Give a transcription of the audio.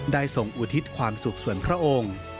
ส่งอุทิศความสุขส่วนพระองค์